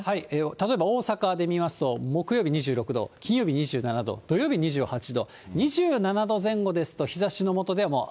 例えば大阪で見ますと、木曜日２６度、金曜日２７度、土曜日２８度、２７度前後ですと、暑いですね。